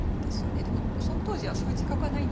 でもその当時はそういう自覚はないんですよ。